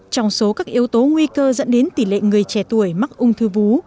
trong số các yếu tố nguy cơ dẫn đến tỷ lệ người trẻ tuổi mắc ung thư vú